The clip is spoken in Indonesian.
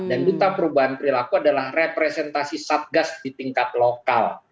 dan duta perubahan perilaku adalah representasi satgas di tingkat lokal